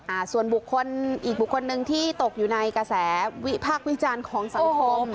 อ่าส่วนบุคคลอีกบุคคลหนึ่งที่ตกอยู่ในกระแสวิพากษ์วิจารณ์ของสังคม